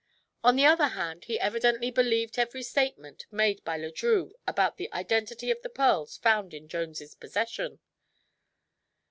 On the other hand, he evidently believed every statement made by Le Drieux about the identity of the pearls found in Jones' possession.